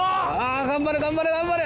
頑張れ頑張れ頑張れ！